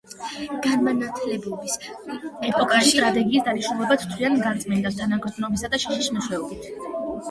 განმანათლებლობის ეპოქაში ტრაგედიის დანიშნულებად თვლიან განწმენდას თანაგრძნობისა და შიშის მეშვეობით.